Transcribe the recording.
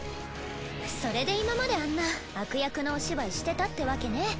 それで今まであんな悪役のお芝居してたってわけね。